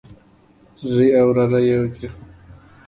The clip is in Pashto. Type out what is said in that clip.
زوی او وراره يودي